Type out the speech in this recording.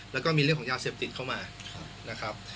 แล้วก็มีเรื่องของยาเสพติดเข้ามานะครับ